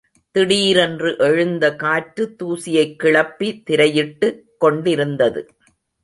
திடீரென்று எழுந்த காற்று தூசியைக் கிளப்பி திரையிட்டு கொண்டிருந்தது.